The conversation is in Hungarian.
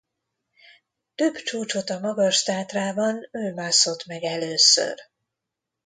Több csúcsot a Magas-Tátrában ő mászott meg először.